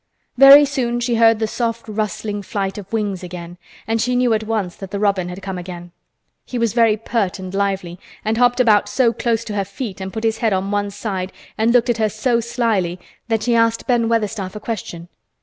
Very soon she heard the soft rustling flight of wings again and she knew at once that the robin had come again. He was very pert and lively, and hopped about so close to her feet, and put his head on one side and looked at her so slyly that she asked Ben Weatherstaff a question.